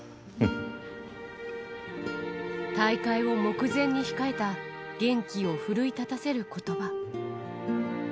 大会を目前に控えた玄暉を奮い立たせることば。